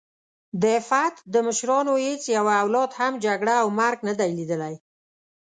د فتح د مشرانو هیڅ یوه اولاد هم جګړه او مرګ نه دی لیدلی.